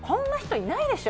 いないでしょ。